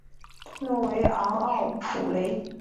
诺维昂奥普雷。